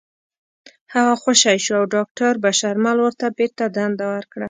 هغه خوشې شو او داکتر بشرمل ورته بېرته دنده ورکړه